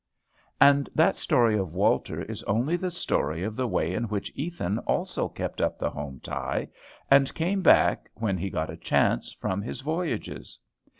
And that story of Walter is only the story of the way in which Ethan also kept up the home tie, and came back, when he got a chance, from his voyages.